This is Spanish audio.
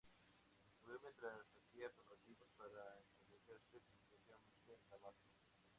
Murió mientras hacía preparativos para establecerse definitivamente en Damasco.